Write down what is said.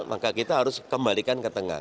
maka kita harus kembalikan ke tengah